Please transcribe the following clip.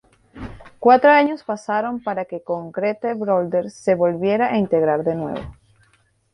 Cuatro años pasaron para que Concrete Blonde se volviera a integrar de nuevo.